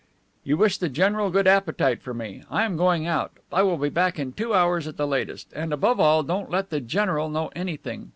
"You wish the general a good appetite, for me. I am going out. I will be back in two hours at the latest. And, above all, don't let the general know anything.